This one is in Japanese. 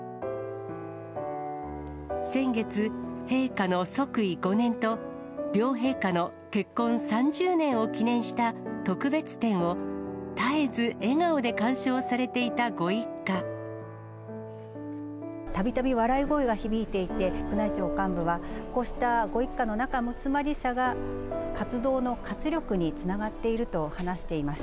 先月、陛下の即位５年と、両陛下の結婚３０年を記念した特別展を絶えず笑顔で鑑賞されていたびたび笑い声が響いていて、宮内庁幹部は、こうしたご一家の仲むつまじさが、活動の活力につながっていると話しています。